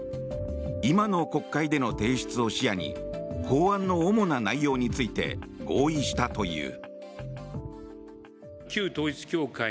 今の国会での提出を視野に法案の主な内容について合意したという。